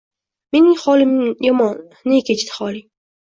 Mening holim yomon, ne kechdi holing?